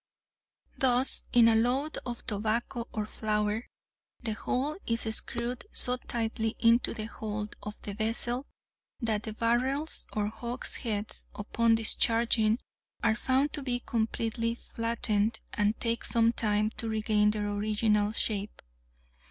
Thus, in a load of tobacco or flour, the whole is screwed so tightly into the hold of the vessel that the barrels or hogsheads, upon discharging, are found to be completely flattened, and take some time to regain their original shape.